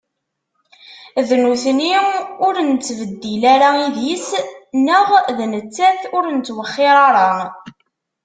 D nutni ur nettbeddil ara idis, neɣ d nettat ur nttwexxir ara?